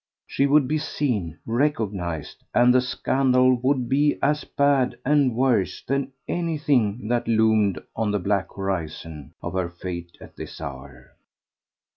She would be seen, recognized, and the scandal would be as bad and worse than anything that loomed on the black horizon of her fate at this hour.